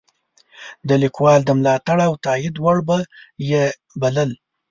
د کلیوالو د ملاتړ او تایید وړ به یې بلل.